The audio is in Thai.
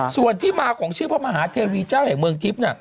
ส่วนที่มาของชื่อพระมหาเทวีเจ้าแห่งเมืองทิพย์